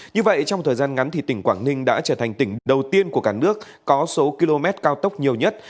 như vậy trong thời gian ngắn thì tỉnh quảng ninh đã trở thành tỉnh đầu tiên của cả nước có số km cao tốc nhiều nhất